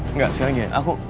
enggak sekarang ya